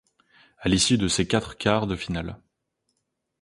À l'issue de ces quatre quarts de finale.